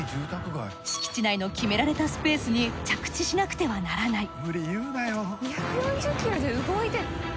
敷地内の決められたスペースに着地しなくてはならない。